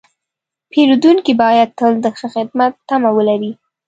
پیرودونکی باید تل د ښه خدمت تمه ولري.